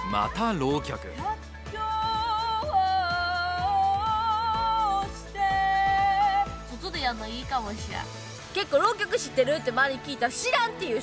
割拠して外でやるのいいかもしらん。